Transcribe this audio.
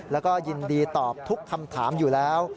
แล้วก็ยินดีตอบทุกคำถามอยู่แล้ว